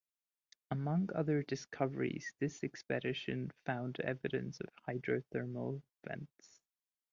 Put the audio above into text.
Among other discoveries, this expedition found evidence of hydrothermal vents.